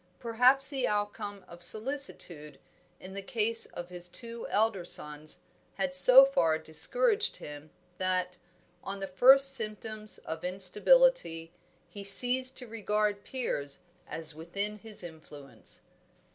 Perhaps the outcome of solicitude in the case of his two elder sons had so far discouraged him, that, on the first symptoms of instability, he ceased to regard Piers as within his influence.